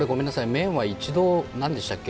麺は一度何でしたっけ？